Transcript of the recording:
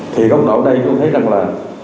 thì góc độ ở đây tôi thấy rằng là